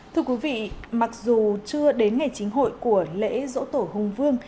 thưa quý vị mặc dù chưa đến ngày chính hội của lễ dỗ tổ hùng vương